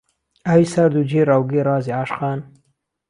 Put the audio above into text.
ئاوی سارد و جێی راوگهی رازی عاشقان